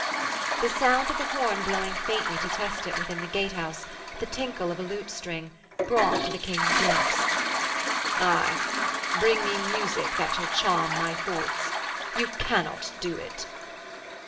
The sound of a horn blown faintly to test it within the gatehouse, the tinkle of a lutestring, brought to the King's lips: 'Aye. Bring me music that shall charm my thoughts. You cannot do it.'